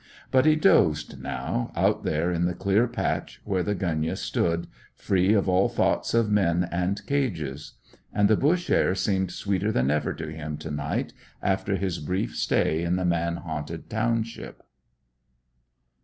But he dozed now, out there in the clear patch where the gunyah stood, free of all thoughts of men and cages. And the bush air seemed sweeter than ever to him to night after his brief stay in the man haunted township.